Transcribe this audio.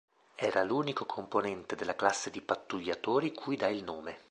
Era l'unico componente della classe di pattugliatori cui dà il nome.